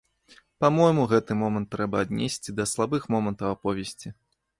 Па-мойму, гэты момант трэба аднесці да слабых момантаў аповесці.